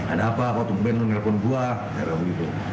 ada apa kau tumpuin menelpon gua saya bilang begitu